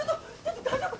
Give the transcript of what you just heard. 大丈夫！？